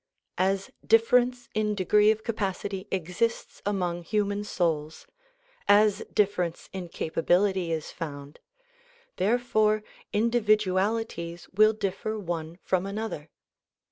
As difference in degree of capacity exists among human souls, as difference in capability is found, therefore individualities will differ one from another.